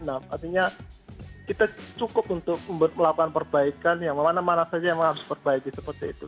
artinya kita cukup untuk melakukan perbaikan yang mana mana saja yang harus diperbaiki seperti itu